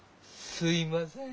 すいません